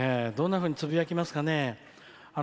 どんなふうにつぶやきますかね。